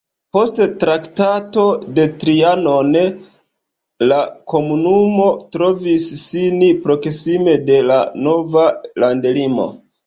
Post Traktato de Trianon la komunumo trovis sin proksime de la nova landlimo.